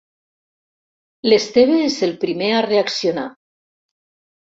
L'Esteve és el primer a reaccionar.